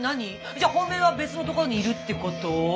じゃあ本命は別のところにいるってこと？